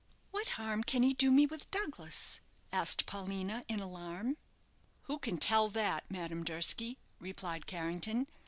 "What harm can he do me with Douglas?" asked Paulina, in alarm. "Who can tell that, Madame Durski?" replied Carrington.